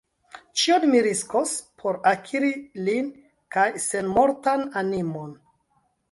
Ĉion mi riskos, por akiri lin kaj senmortan animon!